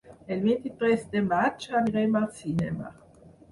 El vint-i-tres de maig anirem al cinema.